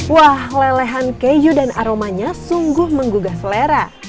wah lelehan keju dan aromanya sungguh menggugah selera